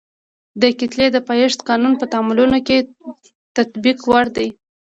د کتلې د پایښت قانون په تعاملونو کې د تطبیق وړ دی.